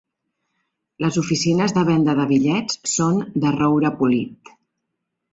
Les oficines de venda de bitllets són de roure polit.